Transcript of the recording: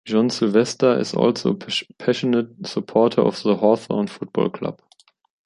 John Silvester is also a passionate supporter of the Hawthorn Football Club.